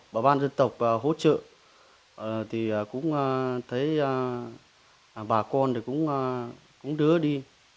bà ban dân tộc hỗ trợ thì cũng thấy bà con cũng đứa đi